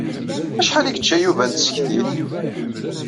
Acḥal i yečča Yuba n tsektit?